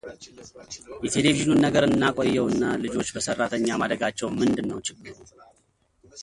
የቴሌቪዥኑን ነገር እናቆየውና ልጆች በሠራተኛ ማደጋቸው ምንድነው ችግሩ?